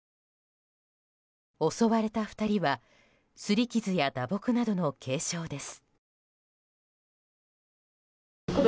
襲われた２人は擦り傷や打撲などの軽傷です。